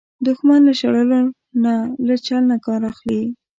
دښمن له شړلو نه، له چل نه کار اخلي